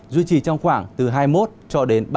duy trì trong khoảng từ hai mươi một cho đến